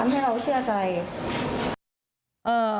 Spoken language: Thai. ให้เราเชื่อใจ